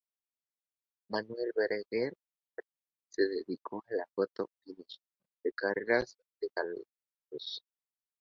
Manuel Berenguer se dedicó a la foto finish de carreras de galgos.